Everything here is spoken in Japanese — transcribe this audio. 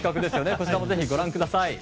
こちらもぜひご覧ください。